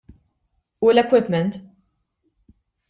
U l-equipment?